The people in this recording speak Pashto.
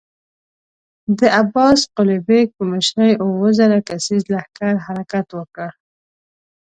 د عباس قلي بېګ په مشری اووه زره کسيز لښکر حرکت وکړ.